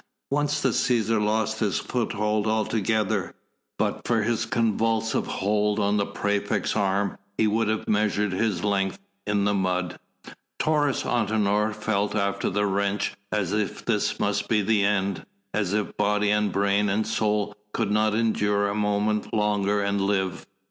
Once the Cæsar lost his foothold altogether; but for his convulsive hold on the praefect's arm he would have measured his length in the mud. Taurus Antinor felt after the wrench as if this must be the end, as if body and brain and soul could not endure a moment longer and live.